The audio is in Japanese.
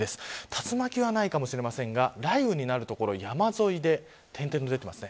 竜巻は、ないかもしれませんが雷雨になる所山沿いで点々と出ています。